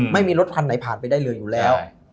ไม่มีรถคันไหนผ่านไปได้เลยอยู่แล้ว